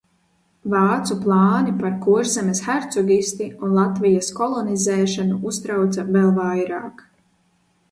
Vācu plāni par Kurzemes hercogisti un Latvijas kolonizēšanu uztrauca vēl vairāk.